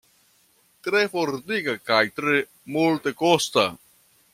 Tre fortika kaj tre multekosta.